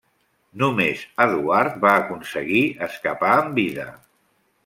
Només Eduard va aconseguir escapar amb vida.